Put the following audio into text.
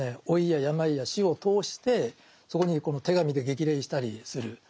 老いや病や死を通してそこにこの手紙で激励したりする。